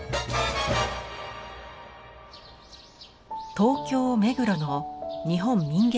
東京目黒の日本民藝館。